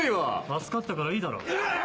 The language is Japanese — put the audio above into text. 助かったからいいだろ。